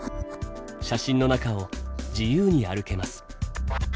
写真の中を自由に歩けます。